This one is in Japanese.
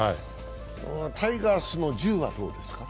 タイガースの１０はどうですか？